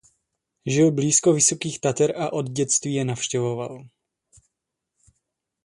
Žil blízko Vysokých Tater a od dětství je navštěvoval.